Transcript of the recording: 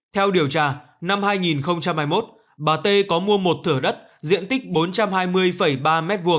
theo điều tra năm hai nghìn hai mươi một bà t có mua một thửa đất diện tích bốn trăm hai mươi ba m hai